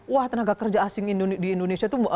wah tenaga kerja asing di indonesia itu